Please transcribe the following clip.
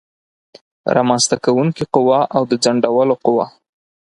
رامنځته کوونکې قوه او د ځنډولو قوه